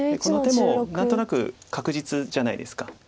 この手も何となく確実じゃないですか。